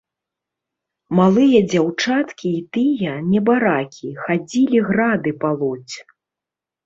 Малыя дзяўчаткі і тыя, небаракі, хадзілі грады палоць.